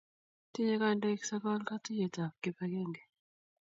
Tinye kandoik sokol katuiyetab kibagenge .